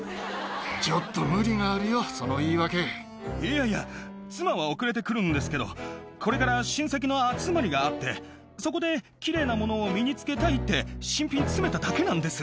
ちょっと無理があるよ、いやいや、妻は遅れて来るんですけど、これから親戚の集まりがあって、そこできれいなものを身につけたいって、新品詰めただけなんです。